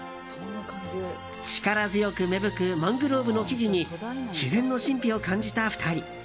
力強く芽吹くマングローブの木々に自然の神秘を感じた２人。